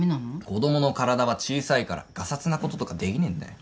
子供の体は小さいからがさつなこととかできねえんだよ。